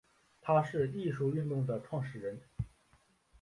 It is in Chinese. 他是艺术运动的始创人。